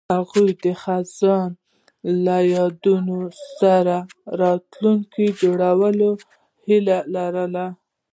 هغوی د خزان له یادونو سره راتلونکی جوړولو هیله لرله.